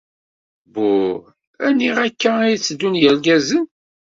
Buh, aniɣ akk-a ay tteddun yirgazen?